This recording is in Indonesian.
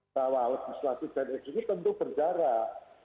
bahwa legislatif dan eksekutif tentu berjarak